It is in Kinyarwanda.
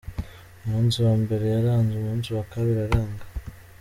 Umunsi wa mbere yaranze, umunsi wa kabiri aranga.